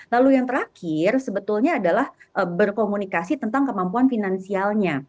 lalu yang terakhir sebetulnya adalah berkomunikasi tentang kemampuan finansialnya